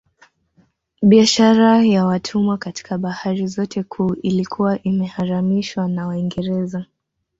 Biashara ya watumwa katika bahari zote kuu ilikuwa imeharamishwa na Waingereza